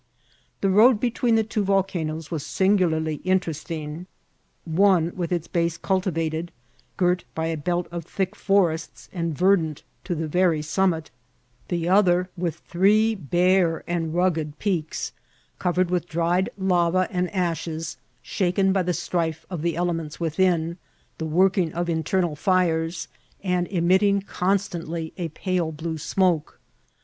The road be tween the two great volcanoes was singularly interest ing ; one with its base cultivated, girt by a belt of thick forests, and verdant to the very summit ; the other with 864 mCIDBllTS OF tratbl. three bare and nigged peaks, covered with dried lava and ashesy shaken by the strife of the elements within, the working of internal fires, and emitting constantly a pale blue smoke.